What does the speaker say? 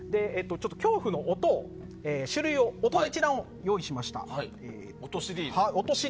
恐怖の音の一覧をご用意しました。